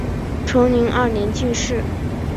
崇宁二年进士。